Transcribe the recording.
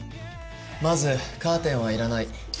まずカーテンはいらない。